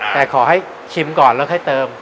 แต่ขอให้ชิมก่อนแล้วค่อยเติม